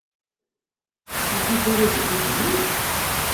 Ur tufi ara d acu ara d-tini?